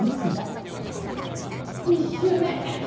１周目。